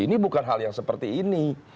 ini bukan hal yang seperti ini